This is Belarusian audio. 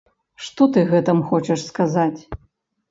Што ты гэтым хочаш сказаць?